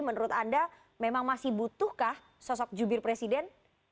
menurut anda memang masih butuhkah sosok jubir presiden